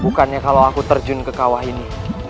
bukannya kalau aku terjun ke kawah ini